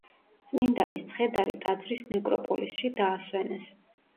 წმინდანის ცხედარი ტაძრის ნეკროპოლისში დაასვენეს.